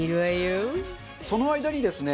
その間にですね